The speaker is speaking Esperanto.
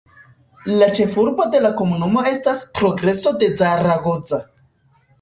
La ĉefurbo de la komunumo estas Progreso de Zaragoza.